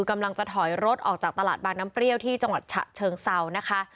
กำลังจะถอยรถออกจากตลาดบางน้ำเปรี้ยวที่จังหวัดฉะเชิงเซานะคะ